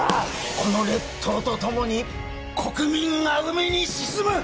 この列島とともに国民が海に沈む！